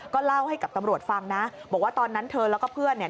เล่าให้กับตำรวจฟังนะบอกว่าตอนนั้นเธอแล้วก็เพื่อนเนี่ย